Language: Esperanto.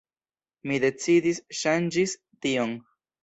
Mi decidis ŝanĝis tion.